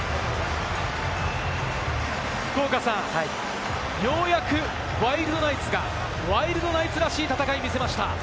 福岡さん、ようやくワイルドナイツが、ワイルドナイツらしい戦いを見せました。